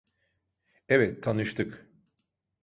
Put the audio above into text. Evet, tanıştık.